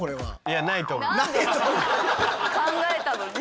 考えたのに。